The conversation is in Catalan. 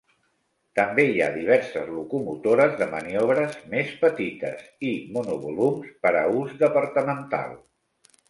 També hi ha diverses locomotores de maniobres més petites i monovolums per a ús departamental.